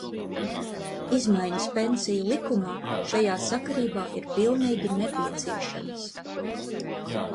Izmaiņas Pensiju likumā šajā sakarībā ir pilnīgi nepieciešamas.